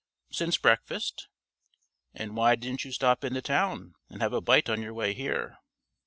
"Since breakfast." "And why didn't you stop in the town and have a bite on your way here?"